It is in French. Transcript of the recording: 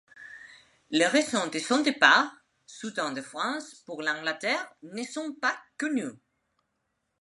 Les raisons de son départ soudain de France pour l'Angleterre, ne sont pas connues.